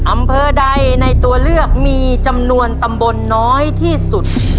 อำเภอใดในตัวเลือกมีจำนวนตำบลน้อยที่สุด